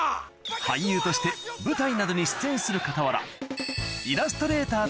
俳優として舞台などに出演する傍ら